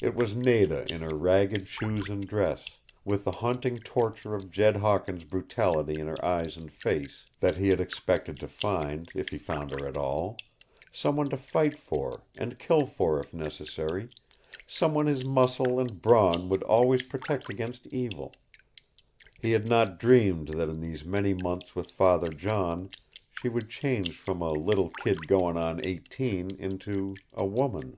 It was Nada in her ragged shoes and dress, with the haunting torture of Jed Hawkins' brutality in her eyes and face, that he had expected to find, if he found her at all; someone to fight for, and kill for if necessary, someone his muscle and brawn would always protect against evil. He had not dreamed that in these many months with Father John she would change from "a little kid goin' on eighteen" into A WOMAN.